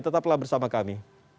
tetaplah bersama kami